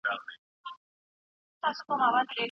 ټولنه په پرله پسې ډول بدليږي.